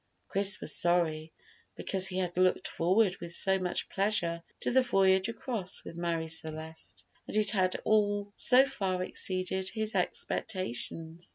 Chris was sorry, because he had looked forward with so much pleasure to the voyage across with Marie Celeste, and it had all so far exceeded his expectations.